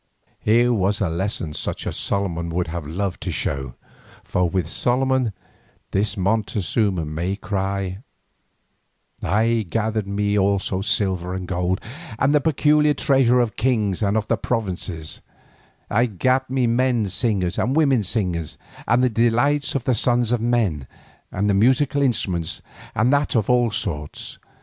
Here was a lesson such as Solomon would have loved to show, for with Solomon this Montezuma might cry: "I gathered me also silver and gold, and the peculiar treasure of kings and of the provinces: I gat me men singers and women singers, and the delights of the sons of men, and musical instruments, and that of all sorts.